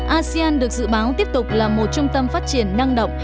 asean được dự báo tiếp tục là một trung tâm phát triển năng động